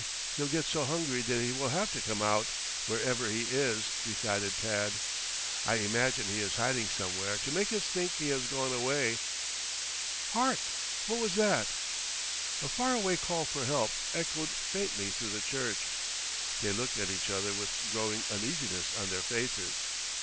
He'll get so hungry that he will have to come out, wherever he is," decided Tad. "I imagine he is hiding somewhere to make us think he has gone away. Hark! What was that?" A far away call for help echoed faintly through the church. They looked at each other with growing uneasiness on their faces.